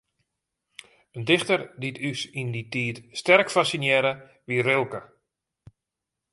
In dichter dy't ús yn dy tiid sterk fassinearre, wie Rilke.